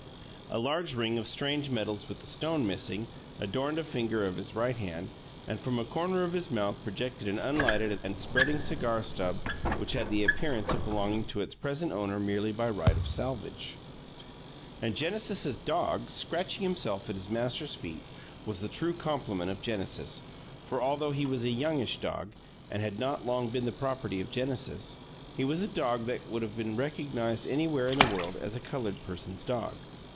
A large ring of strange metals with the stone missing, adorned a finger of his right hand, and from a corner of his mouth projected an unlighted and spreading cigar stub which had the appearance of belonging to its present owner merely by right of salvage. And Genesis's dog, scratching himself at his master's feet, was the true complement of Genesis, for although he was a youngish dog, and had not long been the property of Genesis, he was a dog that would have been recognized anywhere in the world as a colored person's dog.